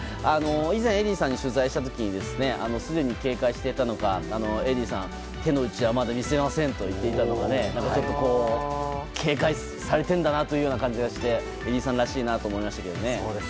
以前エディーさんに取材した時にすでに警戒していたのかエディーさんは手の内はまだ見せませんと言っていたのがちょっと警戒されているんだなという感じがしてエディーさんらしいなと思いましたけどね。